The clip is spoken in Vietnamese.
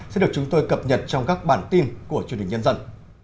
sẽ được chúng tôi cập nhật trong các bản tin của chương trình nhân dân